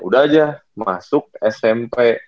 udah aja masuk smp